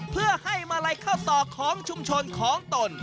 เพื่อให้มาลัยเข้าต่อของชุมชนของตน